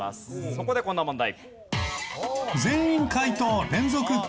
そこでこんな問題。